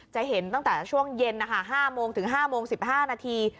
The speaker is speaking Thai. จะเห็นตั้งแต่ช่วงเย็น๕โมงถึง๕โมง๑๕นาที